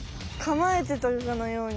かまえてたかのように。